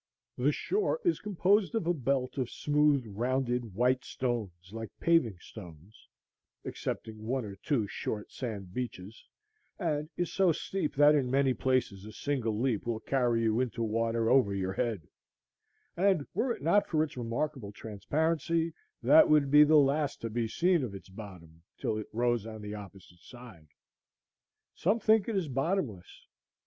The shore is composed of a belt of smooth rounded white stones like paving stones, excepting one or two short sand beaches, and is so steep that in many places a single leap will carry you into water over your head; and were it not for its remarkable transparency, that would be the last to be seen of its bottom till it rose on the opposite side. Some think it is bottomless.